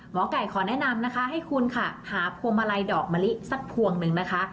หมอไก่ขอแนะนำนะคะให้คุณค่ะหาพวงมาลัยดอกมะลิสักพวงหนึ่งนะคะ